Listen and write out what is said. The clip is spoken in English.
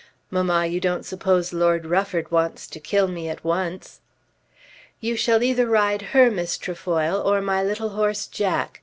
"Mamma, you don't suppose Lord Rufford wants to kill me at once." "You shall either ride her, Miss Trefoil, or my little horse Jack.